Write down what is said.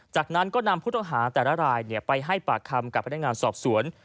จากนั้นก็นำผู้ต้องหาแต่ละรายไปให้ปากคำกับพนักงานสอบสวน